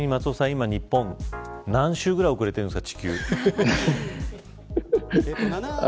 今、日本何周ぐらい遅れているんですか。